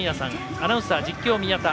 アナウンサー実況、宮田。